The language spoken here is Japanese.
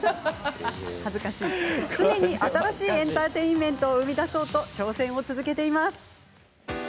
常に新しいエンターテインメントを生み出そうと挑戦を続けています。